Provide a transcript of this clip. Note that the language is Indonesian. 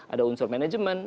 ada unsur manajemen